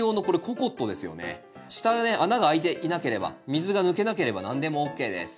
下ね穴が開いていなければ水が抜けなければ何でもＯＫです。